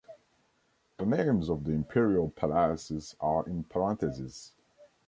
The names of the Imperial palaces are in parentheses.